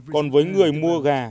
còn với người mua gà